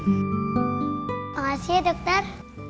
makasih ya dokter